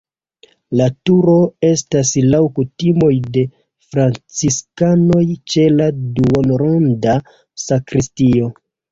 La turo estas laŭ kutimoj de franciskanoj ĉe la duonronda sakristio.